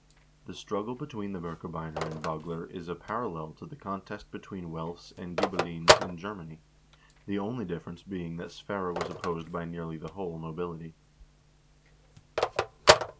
The struggle between the Birkebeiner and Bagler is a parallel to the contest be tween Welfs and Ghibellines in Germany, the only difference being that Sverre was opposed by nearly the whole nobility.